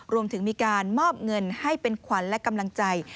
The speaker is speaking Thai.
รวมถึงมีการมอบเงินให้เป็นขวัญและกำลังใจ